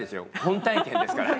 本体験ですから。